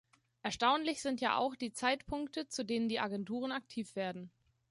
Erstaunlich sind ja auch die Zeitpunkte, zu denen die Agenturen aktiv werden.